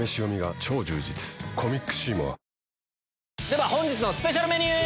では本日のスペシャルメニュー！